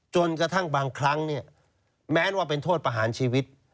จนกระทั่งบางครั้งเนี่ยแม้ว่าเป็นโทษประหารชีวิต